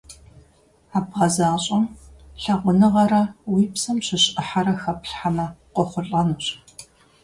А бгъэзащӀэм лъагъуныгъэрэ уи псэм щыщ Ӏыхьэрэ хэплъхьэмэ, къохъулӀэнущ.